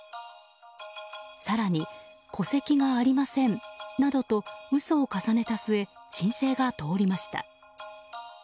更に、戸籍がありませんなどと嘘を重ねた末申請が通りました。